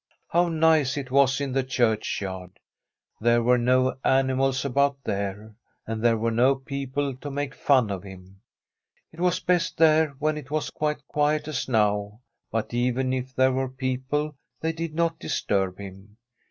How nice it was in the churchyard! There were no animals about there, and there were no people to make fun of him. It was best there, when it was quite quiet as now; but even if there were people, they did not disturb him.